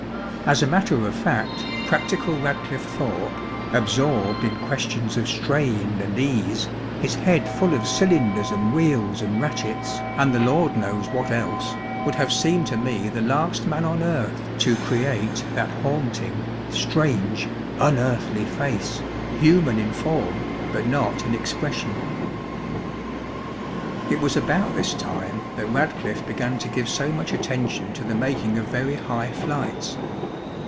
As a matter of fact, practical Radcliffe Thorpe, absorbed in questions of strain and ease, his head full of cylinders and wheels and ratchets and the Lord knows what else, would have seemed to me the last man on earth to create that haunting, strange, unearthly face, human in form, but not in expression. It was about this time that Radcliffe began to give so much attention to the making of very high flights.